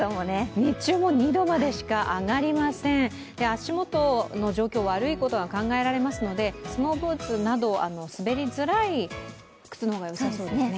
日中も２度までしか上がりません足元の状況、悪いことが考えられますのでスノーブーツなど滑りづらい靴の方がよさそうですね。